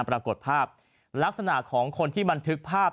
ปรากฏภาพลักษณะของคนที่บันทึกภาพ